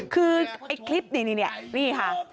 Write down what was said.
คือคลิปนี้นี่ค่ะ